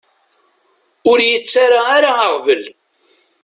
Ur iyi-ttara ara aɣbel.